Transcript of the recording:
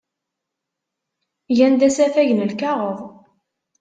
Gan-d asafag n lkaɣeḍ.